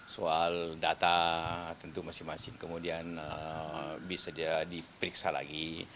soal data tentu masing masing kemudian bisa diperiksa lagi